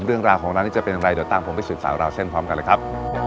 เรื่องราวของร้านนี้จะเป็นอย่างไรเดี๋ยวตามผมไปสืบสาวราวเส้นพร้อมกันเลยครับ